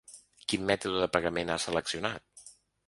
Quin mètode de pagament ha sel·leccionat?